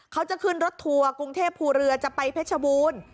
เขาจะขึ้นรถทัวร์กรุงเทพภูเรือจะไปเพชรบูรณ์